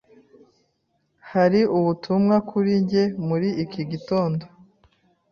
Hari ubutumwa kuri njye muri iki gitondo?